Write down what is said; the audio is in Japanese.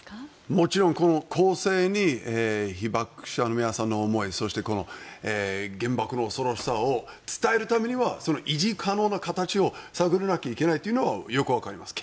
もちろん後世に被爆者の皆さんの思いそしてこの原爆の恐ろしさを伝えるためにはその維持可能な形を探らなきゃいけないというのはよくわかります。